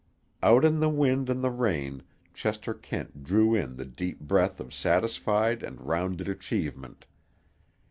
Out in the wind and the rain Chester Kent drew in the deep breath of satisfied and rounded achievement.